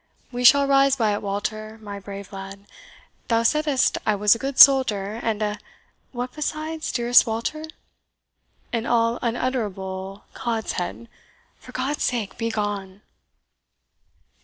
We shall rise by it, Walter, my brave lad. Thou saidst I was a good soldier, and a what besides, dearest Walter?" "An all unutterable codshead. For God's sake, begone!"